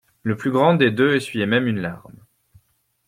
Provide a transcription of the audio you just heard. Le plus grand des deux essuyait même une larme.